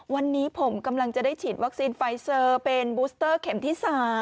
วันนี้ผมกำลังจะได้ฉีดวัคซีนไฟเซอร์เป็นบูสเตอร์เข็มที่๓